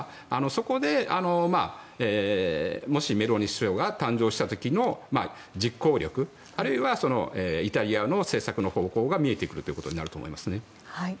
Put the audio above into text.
そこで、もしメローニ首相が誕生した時の実行力、あるいはイタリアの政策の方向が見えてくるということになると思いますね。